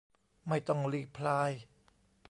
ไม่ต้องรีพลาย